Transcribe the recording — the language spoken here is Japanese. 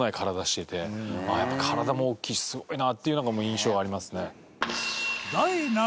体も大きいしすごいなっていうのが印象ありますね。